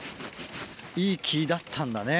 いい木だったんだね